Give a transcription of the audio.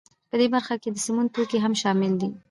په دې برخه کې د سون توکي هم شامل دي